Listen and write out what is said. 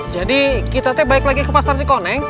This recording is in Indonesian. jadi kita tuh balik lagi ke pasar cina neng